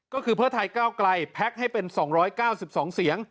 ก็คือเพื่อไทยก้าวไกลแพ็คให้เป็น๒๙๒เสียง